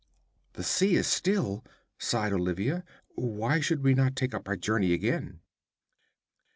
'The sea is still,' sighed Olivia. 'Why should we not take up our journey again?'